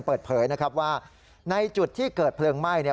เปิดเผยนะครับว่าในจุดที่เกิดเพลิงไหม้